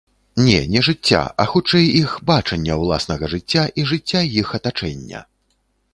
Не, не жыцця, а хутчэй іх бачання ўласнага жыцця і жыцця іх атачэння.